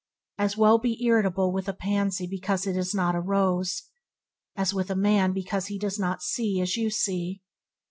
As well be irritable with a pansy because it is not a rose, as a with a man because he does not see as you see.